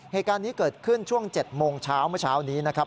เหตุการณ์นี้เกิดขึ้นช่วง๗โมงเช้าเมื่อเช้านี้นะครับ